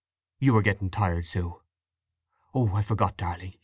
"You are getting tired, Sue. Oh—I forgot, darling!